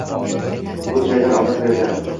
O’z joyidan ovoz berdi: